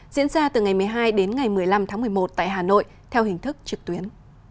diễn ra từ ngày một mươi hai đến ngày một mươi năm tháng một mươi một tại hà nội theo hình thức trực tuyến